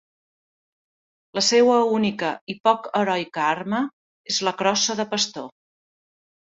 La seua única i poc heroica arma és la crossa de pastor.